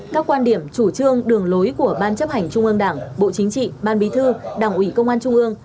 các quan điểm chủ trương đường lối của ban chấp hành trung ương đảng bộ chính trị ban bí thư đảng ủy công an trung ương